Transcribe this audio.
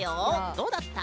どうだった？